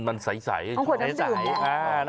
มันใสขวดน้ำดื่ม